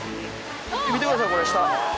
見てくださいこれ下。